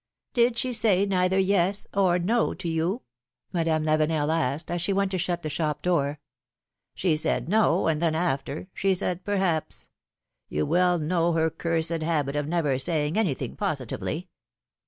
'^Did she say neither yes or no to you?" Madame Lavenel asked, as she went to shut the shop door. ^^She said no, and then after, she said perhaps; you well know her cursed habit of never saying anything positively."